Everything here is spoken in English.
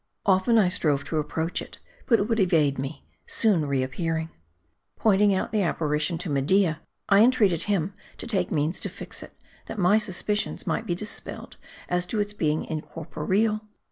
Often I strove to approach it, but it would evade rne, soon reap pearing. Pointing out the apparition to Media, I intreated him to take means to fix it, that my suspicions might be dispelled, as to its being incorporeal.